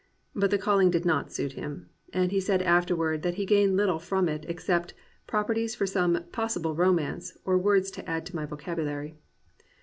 But the calling did not suit him, and he said afterward that he gained little from it ex cept "properties for some possible romance, or words to add to my vocabulary."